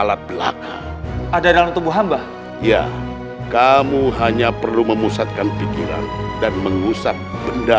alat belaka ada dalam tubuh hamba ya kamu hanya perlu memusatkan pikiran dan mengusap benda